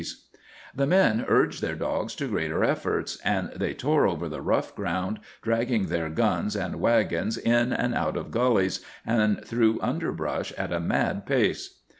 The men urged their dogs to greater efforts, and they tore over the rough ground, dragging their guns and wagons in and out of gullies and through underbrush at a mad pace.